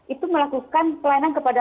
itu melakukan pelayanan kepada